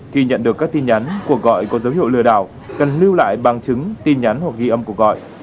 khi nhận được các tin nhắn cuộc gọi có dấu hiệu lừa đảo cần lưu lại bằng chứng tin nhắn hoặc ghi âm cuộc gọi